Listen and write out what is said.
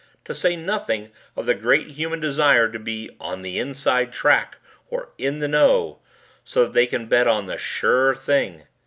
To say nothing of the great human desire to be 'On the Inside' track or 'In the Know' so that they can bet on the 'Sure Thing'.